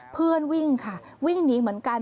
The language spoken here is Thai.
เพื่อนวิ่งค่ะวิ่งหนีเหมือนกัน